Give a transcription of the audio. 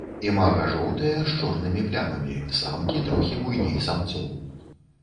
Імага жоўтыя з чорнымі плямамі, самкі трохі буйней самцоў.